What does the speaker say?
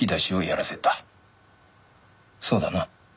そうだな？